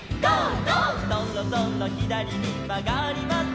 「そろそろひだりにまがります」